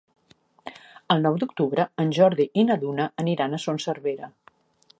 El nou d'octubre en Jordi i na Duna aniran a Son Servera.